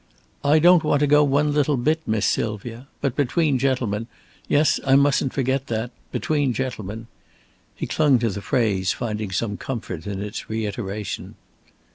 "I don't want to go one little bit, Miss Sylvia. But between gentlemen. Yes, I mustn't forget that. Between gentlemen." He clung to the phrase, finding some comfort in its reiteration.